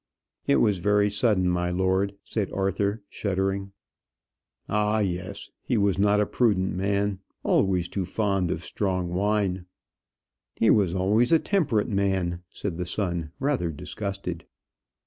"It was very sudden, my lord," said Arthur, shuddering. "Ah yes; he was not a prudent man; always too fond of strong wine." "He was always a temperate man," said the son, rather disgusted.